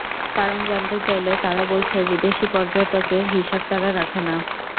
কারণ জানতে চাইলে তারা বলছে, বিদেশি পর্যটকের হিসাব তারা রাখে না।